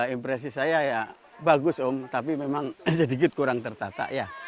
impresi saya ya bagus om tapi memang sedikit kurang tertata ya